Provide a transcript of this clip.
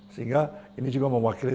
sehingga ini juga mewakili